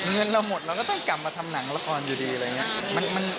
เงินเราหมดเราก็ต้องกลับมาทำหนังละครอยู่ดีอะไรอย่างนี้